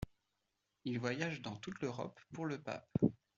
Il voyage dans tout l'Europe pour le pape.